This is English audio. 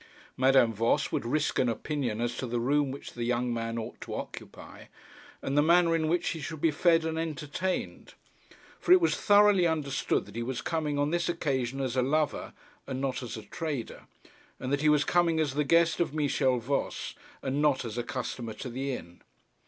Madame Voss would risk an opinion as to the room which the young man ought to occupy, and the manner in which he should be fed and entertained. For it was thoroughly understood that he was coming on this occasion as a lover and not as a trader, and that he was coming as the guest of Michel Voss, and not as a customer to the inn.